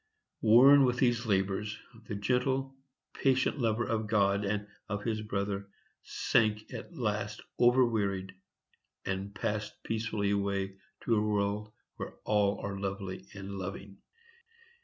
Worn with these labors, the gentle, patient lover of God and of his brother, sank at last overwearied, and passed peacefully away to a world where all are lovely and loving.